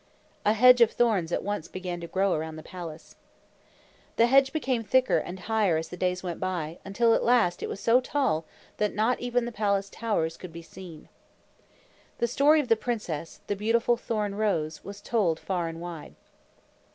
A hedge of thorns at once began to grow around the palace. The hedge became thicker and higher as the days went by, until at last it was so tall that not even the palace towers could be seen. The story of the princess, the beautiful Thorn Rose, was told far and wide.